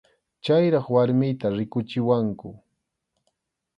Chayraq warmiyta rikuchiwanku.